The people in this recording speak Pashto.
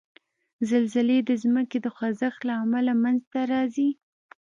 زلزلې د ځمکې د خوځښت له امله منځته راځي.